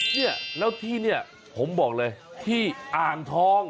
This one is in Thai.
เนี่ยแล้วที่เนี่ยผมบอกเลยที่อ่างทอง